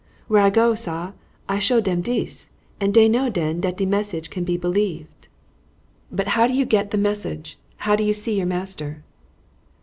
"Where I go, sar, I show dem dis, and dey know den dat de message can be believed." "But how do you get the message? How do you see your master?"